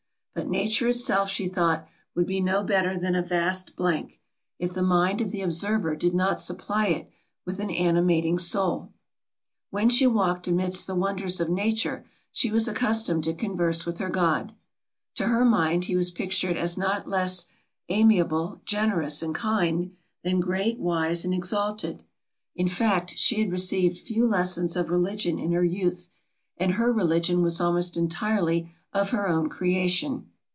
But nature itself, she thought, would be no better than a vast blank, if the mind of the observer did not supply it with an animating soul. When she walked amidst the wonders of nature, she was accustomed to converse with her God. To her mind he was pictured as not less amiable, generous and kind, than great, wise and exalted. In fact, she had received few lessons of religion in her youth, and her religion was almost entirely of her own creation.